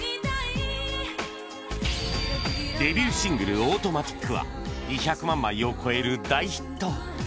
デビューシングル『Ａｕｔｏｍａｔｉｃ』は２００万枚を超える大ヒット